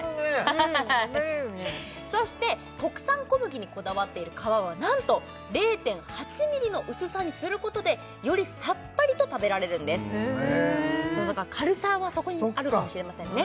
うん食べれるねそして国産小麦にこだわっている皮はなんと０．８ｍｍの薄さにすることでよりサッパリと食べられるんですだから軽さはそこにあるかもしれませんね